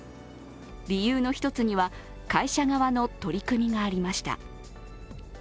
理由の１つには、会社側の取り組みがありました。